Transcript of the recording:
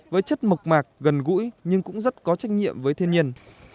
với chất mộc mạc gần gũi nhưng cũng rất có trách nhiệm với thiên nhiên